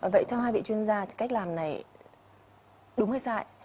vậy theo hai vị chuyên gia thì cách làm này đúng hay sai